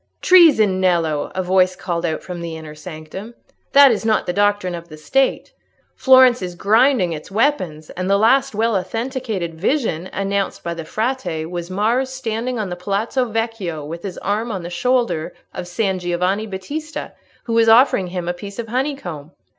"Treason, Nello!" a voice called out from the inner sanctum; "that is not the doctrine of the State. Florence is grinding its weapons; and the last well authenticated vision announced by the Frate was Mars standing on the Palazzo Vecchio with his arm on the shoulder of San Giovanni Battista, who was offering him a piece of honeycomb."